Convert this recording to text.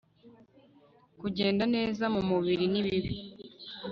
kugenda neza mumubiri nibibi